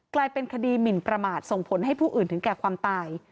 กลายเป็นคดีหมินประมาทส่งผลให้ผู้อื่นถึงแก่ความตาย